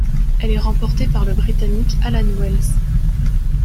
Elle est remportée par le Britannique Allan Wells.